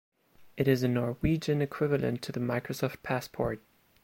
It is a Norwegian equivialent to the Microsoft Passport.